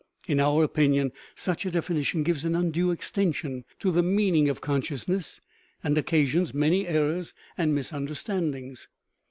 In our opinion, such a definition gives an undue extension to the meaning of con sciousness, and occasions many errors and misunder 171 THE RIDDLE OF THE UNIVERSE standings.